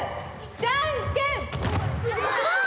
じゃんけんパー！